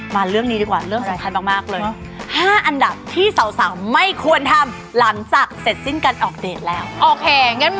มาเรื่องนี้ดีกว่าอันดับที่สาวไม่ควรทำหลังจากเสร็จสิ้นออกเตรียม